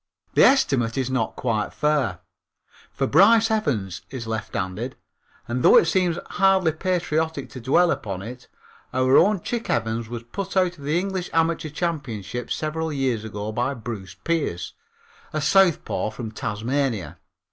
The estimate is not quite fair, for Brice Evans is lefthanded and, though it seems hardly patriotic to dwell upon it, our own Chick Evans was put out of the English amateur championship several years ago by Bruce Pierce, a southpaw from Tasmania.